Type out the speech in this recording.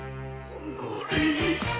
おのれ！